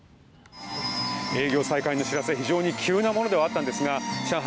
営業再開の知らせ非常に急なものではあったんですが上海